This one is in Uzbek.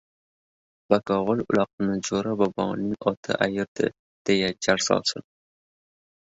Bakovul uloqni Jo‘ra boboning oti ayirdi, deya jar solsin.